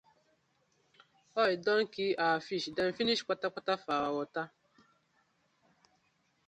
Oil don kii our fish dem finish kpatakpata for our wata.